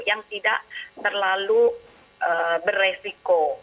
yang tidak terlalu beresiko